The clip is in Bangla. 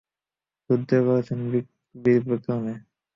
যুদ্ধ করেছেন বীরবিক্রমে।